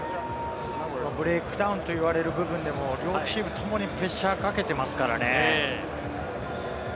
ブレイクダウンと呼ばれる部分でも、両チームともにプレッシャーをかけていますからね。